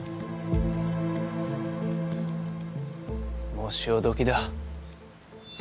もう潮時だ。